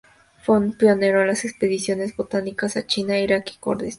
Fue un pionero en las expediciones botánicas a China, a Irak y a Kurdistán.